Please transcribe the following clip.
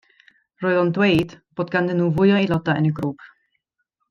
Roedd o'n dweud bod ganddyn nhw fwy o aelodau yn y grŵp.